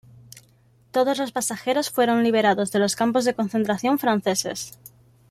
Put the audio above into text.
Todos los pasajeros fueron liberados de los campos de concentración franceses.